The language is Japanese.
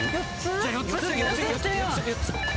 じゃあ４つ？